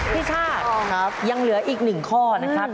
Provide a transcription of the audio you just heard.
ชาติยังเหลืออีก๑ข้อนะครับ